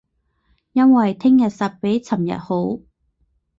因為聼日實比尋日好